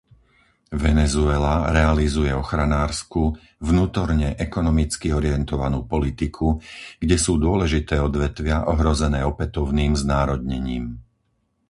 Venezuela realizuje ochranársku, vnútorne ekonomicky orientovanú politiku, kde sú dôležité odvetvia ohrozené opätovným znárodnením.